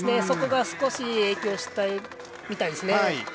そこが少し影響したみたいです。